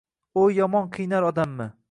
O’y yomon qiynar odamni.